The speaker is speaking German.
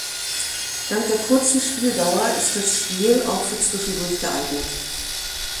Dank der kurzen Spieldauer ist das Spiel auch für zwischendurch geeignet.